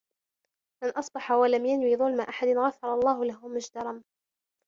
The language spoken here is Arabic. مَنْ أَصْبَحَ وَلَمْ يَنْوِ ظُلْمَ أَحَدٍ غَفَرَ اللَّهُ لَهُ مَا اجْتَرَمَ